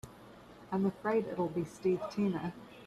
I'm afraid it'll be Steve Tina.